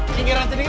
tinggiran sedikit gak